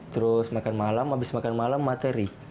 terus makan malam habis makan malam materi